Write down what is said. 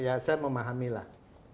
ya saya memahamilah